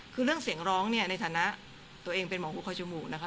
คือเรื่องเสียงร้องเนี่ยในฐานะตัวเองเป็นหมอหูคอยจมูกนะคะ